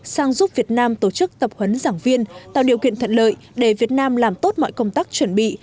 sang giúp việt nam tổ chức tập huấn giảng viên tạo điều kiện thuận lợi để việt nam làm tốt mọi công tác chuẩn bị